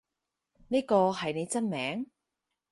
呢個係你真名？